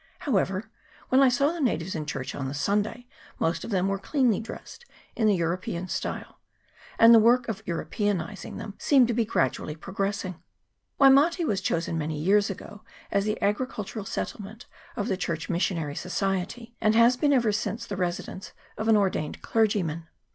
However, when I saw the natives in church on the Sunday, most of them were cleanly dressed in the European style ; and the work of Europeanfaing them seemed to be gradually progressing. Waimate was chosen many years ago as the agri cultural settlement of the Church Missionary So ciety, and has been ever since the residence of an ordained clergyman.